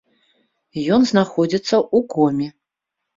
Ён знаходзіцца ў коме.